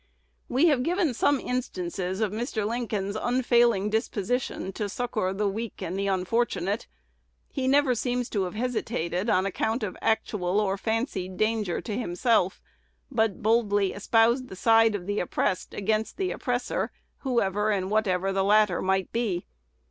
We have given some instances of Mr. Lincoln's unfailing disposition to succor the weak and the unfortunate. He never seems to have hesitated on account of actual or fancied danger to himself, but boldly espoused the side of the oppressed against the oppressor, whoever and whatever the latter might be.